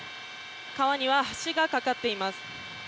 川には橋が架かっています。